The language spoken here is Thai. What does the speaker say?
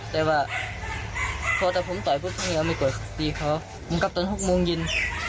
แต่ว่าพอผมต่อยพูดข้างนี้ไม่กดตีเขามันกลับตอนหกโมงเย็น